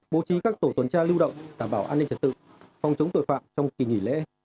bố trí các tổ tuần tra lưu động đảm bảo an ninh trật tự phòng chống tội phạm trong kỳ nghỉ lễ